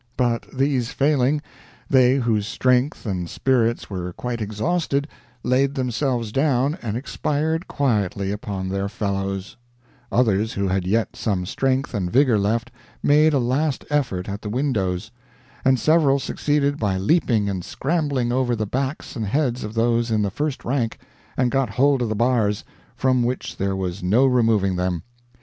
But these failing, they whose strength and spirits were quite exhausted laid themselves down and expired quietly upon their fellows: others who had yet some strength and vigor left made a last effort at the windows, and several succeeded by leaping and scrambling over the backs and heads of those in the first rank, and got hold of the bars, from which there was no removing them.